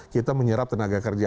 kita menyerap tenaga kerja